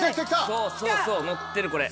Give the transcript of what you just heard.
そうそうそう乗ってるこれ。